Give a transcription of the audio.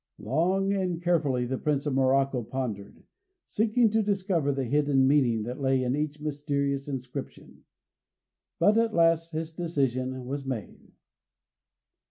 = Long and carefully the Prince of Morocco pondered, seeking to discover the hidden meaning that lay in each mysterious inscription. But at last his decision was made.